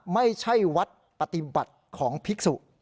ไม่ใช่วัดปฏิบัติของภิกษุ